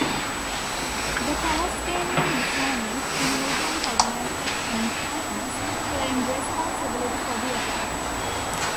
The Palestinian Islamist militant organization Hamas claimed responsibility for the attack.